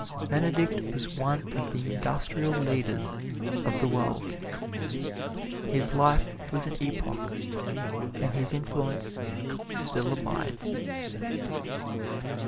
Benedict was one of the industrial leaders of the world. His life was an epoch, and his influence still abides.